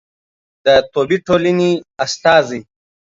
د طبي ټولنې استازی